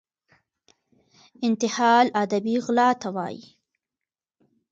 انتحال ادبي غلا ته وايي.